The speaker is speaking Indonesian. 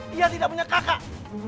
dia tidak punya kakak